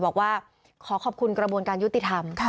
บอกว่าขอขอบคุณกระบวนการยุติธรรม